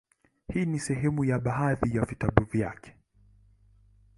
Hii ni sehemu ya baadhi ya vitabu vyake;